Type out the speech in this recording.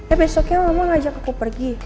eh besoknya kamu ngajak aku pergi